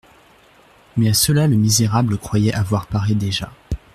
Mais à cela le misérable croyait avoir paré déjà.